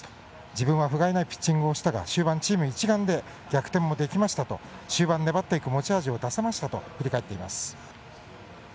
自分はふがいないピッチングをしたが終盤、チーム一丸で逆転もできましたと終盤粘っていく持ち味を出せましたと振り返っています。